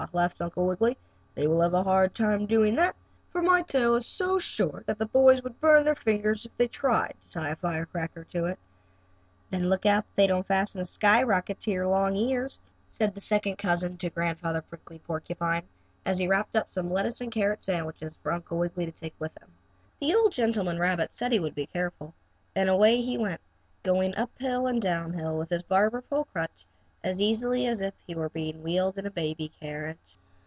laughed Uncle Wiggily. "They will have a hard time doing that, for my tail is so short that the boys would burn their fingers if they tried to tie a firecracker to it." "Then look out that they don't fasten a skyrocket to your long ears," said the second cousin to Grandfather Prickly Porcupine, as he wrapped up some lettuce and carrot sandwiches for Uncle Wiggily to take with him. The old gentleman rabbit said he would watch out, and away he started, going up hill and down hill with his barber pole crutch as easily as if he was being wheeled in a baby carriage.